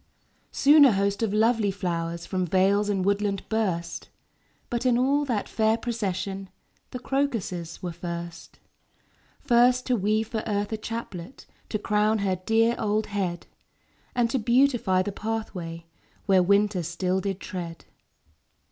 Soon a host of lovely flowers From vales and woodland burst; But in all that fair procession The crocuses were first. First to weave for Earth a chaplet To crown her dear old head; And to beautify the pathway Where winter still did tread.